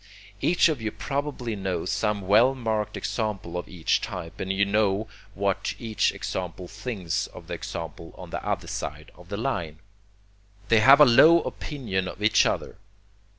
Each of you probably knows some well marked example of each type, and you know what each example thinks of the example on the other side of the line. They have a low opinion of each other.